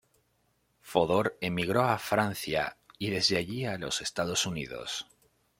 Fodor emigró a Francia y desde allí a los Estados Unidos.